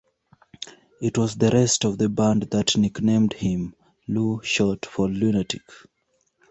It was the rest of the band that nicknamed him "Lu"-short for "Lunatic".